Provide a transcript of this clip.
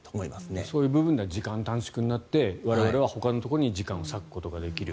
そういう部分が時間短縮になって我々はほかのことに時間を割くことができる。